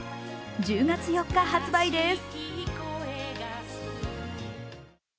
１０月４日発売です。